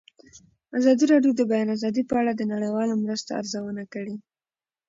ازادي راډیو د د بیان آزادي په اړه د نړیوالو مرستو ارزونه کړې.